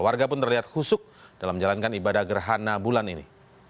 warga pun terlihat husuk dalam menjalankan ibadah gerhana bulan ini